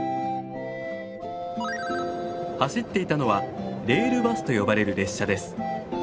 走っていたのはレールバスと呼ばれる列車です。